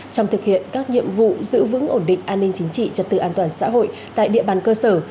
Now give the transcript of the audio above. trong thực hiện các nhiệm vụ giữ vững ổn định an ninh chính trị trật tự an toàn xã hội tại địa bàn cơ sở